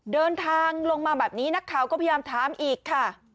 เดินทางลงมาแบบนี้นักข่าวก็พยายามถามอีกค่ะ